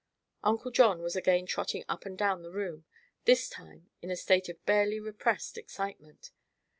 Uncle John was again trotting up and down the room, this time in a state of barely repressed excitement.